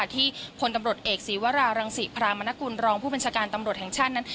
ที่พลตำรวจเอกศีวรารังศิพรามนกุลรองผู้บัญชาการตำรวจแห่งชาตินั้น